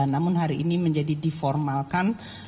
namun hari ini menjadi diformalkan